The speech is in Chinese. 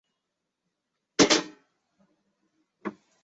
萨里宁毕业于赫尔辛基理工大学。